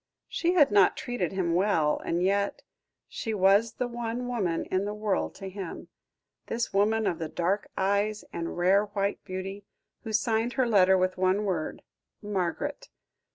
She had not treated him well, and yet she was the one woman in the world to him this woman of the dark eyes and rare white beauty, who signed her letter with the one word, "Margaret."